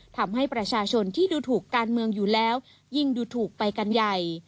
ทำให้ประชาชนที่ดูถูกการเมืองอยู่แล้วยิ่งดูถูกไปกันใหญ่